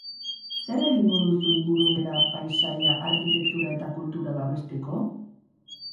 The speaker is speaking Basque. Zer egingo duzu ingurumena, paisaia, arkitektura eta kultura babesteko?